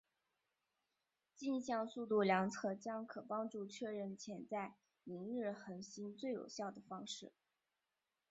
径向速度量测将可帮助确认潜在凌日恒星最有效的方式。